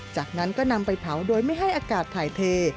จากนั้นก็นำไปเผาโดยไม่ให้อากาศถ่ายเท